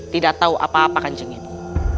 tidak tahu apa apa kan jeng ibu